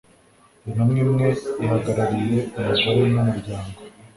intumwa imwe ihagarariye umugore n'umuryango